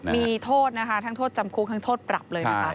มีโทษนะคะทั้งโทษจำคุกทั้งโทษปรับเลยนะคะ